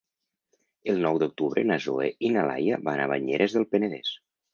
El nou d'octubre na Zoè i na Laia van a Banyeres del Penedès.